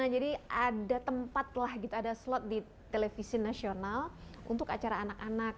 jadi ada tempat lah gitu ada slot di tv nasional untuk acara anak anak